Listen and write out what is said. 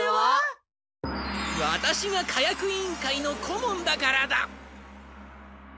ワタシが火薬委員会の顧問だからだ！